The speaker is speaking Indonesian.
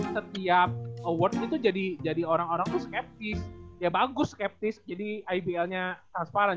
setiap award itu jadi orang orang tuh skeptis ya bagus skeptis jadi ibl nya transparan